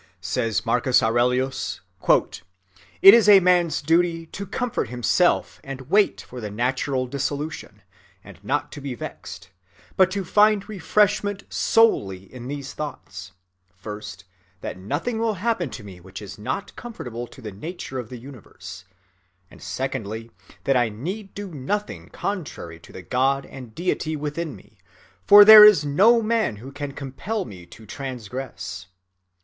"It is a man's duty," says Marcus Aurelius, "to comfort himself and wait for the natural dissolution, and not to be vexed, but to find refreshment solely in these thoughts—first that nothing will happen to me which is not conformable to the nature of the universe; and secondly that I need do nothing contrary to the God and deity within me; for there is no man who can compel me to transgress.